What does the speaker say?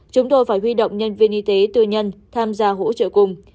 chúng tôi phải huy động nhân viên y tế tư nhân tham gia hỗ trợ cùng